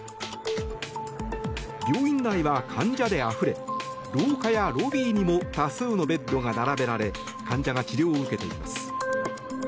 病院内は患者であふれ廊下やロビーにも多数のベッドが並べられ患者が治療を受けています。